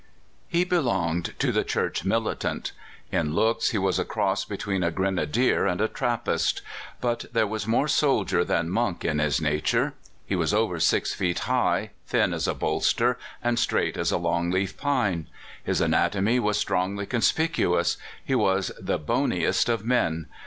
HE belonged to the Church militant. In looks he was a cross between a grenadier and a Trappist. But there was more soldier than monk in his nature. He was over six feet high, thin as a bolster, and straight as a long leaf pine. His anatomy was strongly conspicuous. He was the boniest of men.